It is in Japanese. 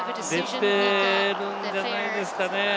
出ているんじゃないでしょうかね。